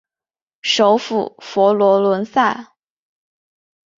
首府佛罗伦萨。